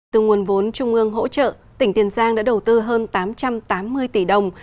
từ nguồn vốn trung ương hỗ trợ tỉnh tiền giang đã đầu tư hơn tám trăm tám mươi tỷ đồng